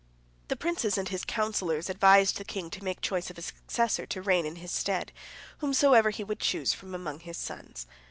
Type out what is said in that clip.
The princes and his counsellors advised the king to make choice of a successor, to reign in his stead, whomsoever he would choose from among his sons.